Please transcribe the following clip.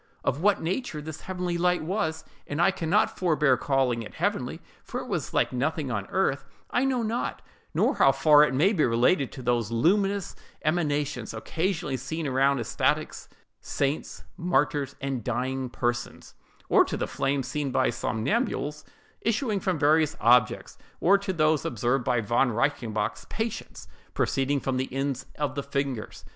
Of what nature this heavenly light was—and I can not forbear calling it heavenly, for it was like nothing on earth—I know not, nor how far it may be related to those luminous emanations occasionally seen around ecstatics, saints, martyrs, and dying persons; or to the flames seen by somnambules issuing from various objects, or to those observed by Von Reichenbach's patients proceeding from the ends of the fingers, &c.